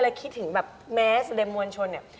แล้วคิดถึงแบบแม้แสดงมวลชนเนี่ย